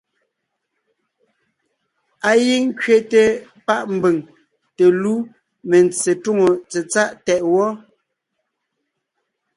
Á gíŋ ńkẅéte páʼ mbʉ̀ŋ te lú mentse túŋo tsetsáʼ tɛʼ wɔ́.